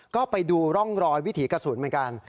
ก็ไปดูร่องรอยวิถีกระสุนเหมือนกัน